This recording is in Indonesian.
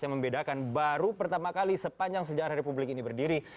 yang membedakan baru pertama kali sepanjang sejarah republik ini berdiri